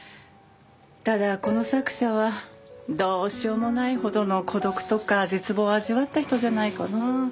ただこの作者はどうしようもないほどの孤独とか絶望を味わった人じゃないかな。